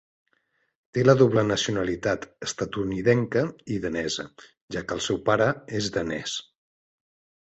Té la doble nacionalitat estatunidenca i danesa, ja que el seu pare és danès.